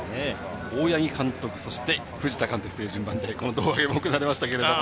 大八木監督、藤田監督という順番で胴上げも行われましたが。